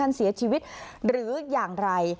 อันดับที่สุดท้าย